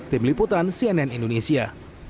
tim liputan cnn indonesia